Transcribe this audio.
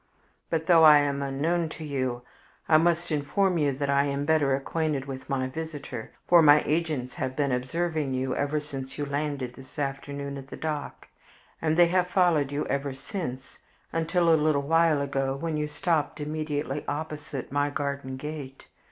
But though I am unknown to you, I must inform you that I am better acquainted with my visitor, for my agents have been observing you ever since you landed this afternoon at the dock, and they have followed you ever since, until a little while ago, when you stopped immediately opposite my garden gate.